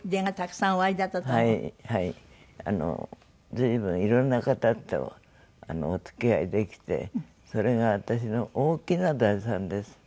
随分いろんな方とお付き合いできてそれが私の大きな財産です。